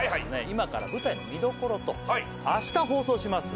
今から舞台の見どころと明日放送します